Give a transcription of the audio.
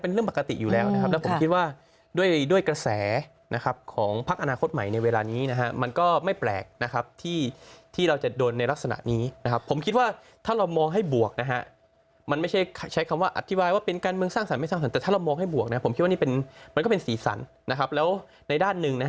เป็นเรื่องปกติอยู่แล้วนะครับแล้วผมคิดว่าด้วยกระแสนะครับของพักอนาคตใหม่ในเวลานี้นะฮะมันก็ไม่แปลกนะครับที่เราจะโดนในลักษณะนี้นะครับผมคิดว่าถ้าเรามองให้บวกนะฮะมันไม่ใช่ใช้คำว่าอธิบายว่าเป็นการเมืองสร้างสรรคไม่สร้างสรรค์แต่ถ้าเรามองให้บวกนะผมคิดว่านี่เป็นมันก็เป็นสีสันนะครับแล้วในด้านหนึ่งนะฮะ